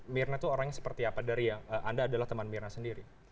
mirna itu orangnya seperti apa dari yang anda adalah teman mirna sendiri